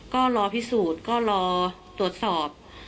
ก็รอพิสูจน์ก็รอตรวจสอบ